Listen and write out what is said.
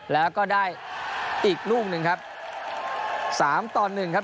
แล้วก็ได้อีกรุ่งหนึ่งครับ